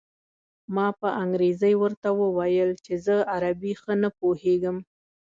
ما په انګرېزۍ ورته وویل چې زه عربي ښه نه پوهېږم.